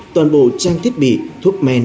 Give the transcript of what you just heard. toàn bộ trang thiết bị thuốc men